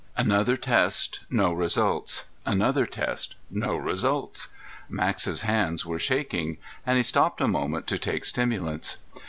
Another test, no results. Another test, no results. Max's hands were shaking and he stopped a moment to take stimulants.